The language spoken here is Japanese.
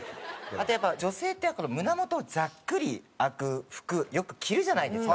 あとやっぱ女性って胸元ざっくり開く服よく着るじゃないですか。